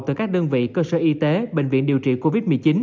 từ các đơn vị cơ sở y tế bệnh viện điều trị covid một mươi chín